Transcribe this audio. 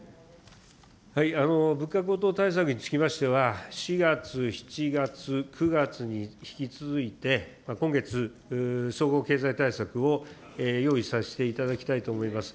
物価高騰対策につきましては、４月、７月、９月に引き続いて今月、総合経済対策を用意させていただきたいと思います。